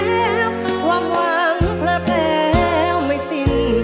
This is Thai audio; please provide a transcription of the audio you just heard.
หวังหวังเผลอแฟวไม่สิ้น